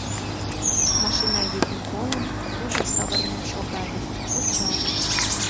Машина йӱкым колын, тудо савырнен шогале, вуча.